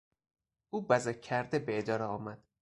او بزک کرده به اداره آمد.